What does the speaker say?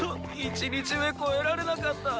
１日目越えられなかった。